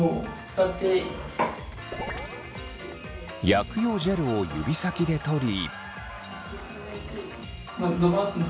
薬用ジェルを指先で取り。